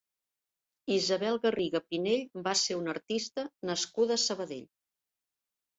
Isabel Garriga Pinell va ser una artista nascuda a Sabadell.